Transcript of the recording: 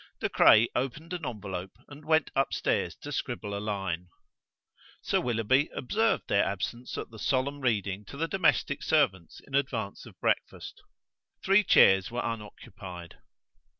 De Craye opened an envelope and went upstairs to scribble a line. Sir Willoughby observed their absence at the solemn reading to the domestic servants in advance of breakfast. Three chairs were unoccupied.